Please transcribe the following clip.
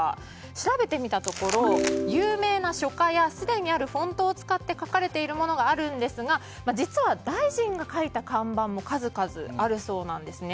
調べてみたところ有名な書家やすでにあるフォントを使って書かれているものがあるんですが実は大臣が描いた看板も数々あるそうなんです。